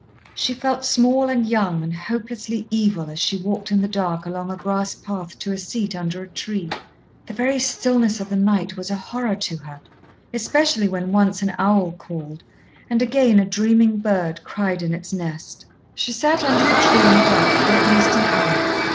She felt small and young and hopelessly evil as she walked in the dark along a grass path to a seat under a tree. The very stillness of the night was a horror to her, especially when once an owl called, and again a dreaming bird cried in its nest. She sat under the tree in the dark for at least an hour.